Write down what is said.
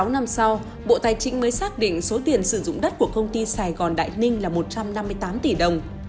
sáu năm sau bộ tài chính mới xác định số tiền sử dụng đất của công ty sài gòn đại ninh là một trăm năm mươi tám tỷ đồng